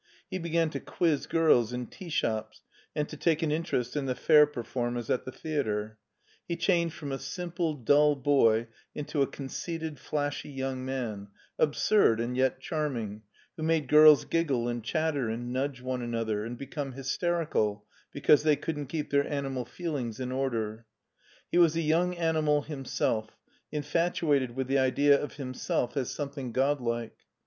He began to quiz girls in tea shops and to take an in terest in the fair performers at the theater; he changed from a simple, dull boy into a conceited, flashy young man, absurd, and yet charming, who made girls giggle and chatter and nudge one another and become hys t€trical because they couldn't keep their animal feelings in order. He was a young animal himself, infatuated with the idea of himself as something godlike.